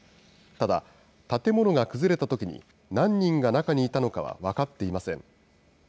ただ建物が崩れたときに、何人が中にいたのかは分かっていません。